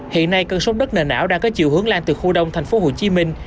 hiện nay cân sốc đất nền ảo đang có chiều hướng lan từ khu đông thành phố hồ chí minh